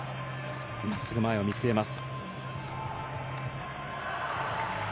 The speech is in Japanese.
真っすぐ前を見据えます。